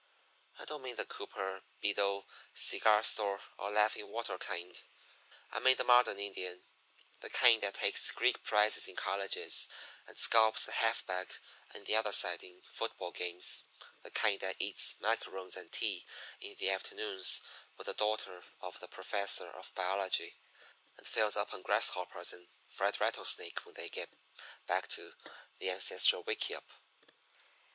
I don't mean the Cooper, Beadle, cigar store, or Laughing Water kind I mean the modern Indian the kind that takes Greek prizes in colleges and scalps the half back on the other side in football games. The kind that eats macaroons and tea in the afternoons with the daughter of the professor of biology, and fills up on grasshoppers and fried rattlesnake when they get back to the ancestral wickiup.